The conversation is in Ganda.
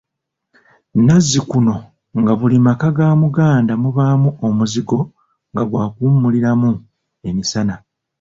Nazzikuno nga buli maka ga Muganda mubaamu omuzigo nga gwakuwummuliramu emisana.